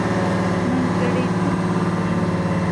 منځګړتوب کېږي.